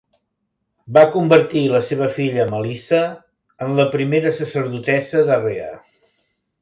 Va convertir la seva filla Melissa en la primera sacerdotessa de Rea.